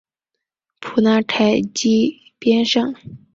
普纳凯基边上。